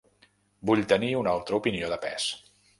Vull tenir una altra opinió de pes.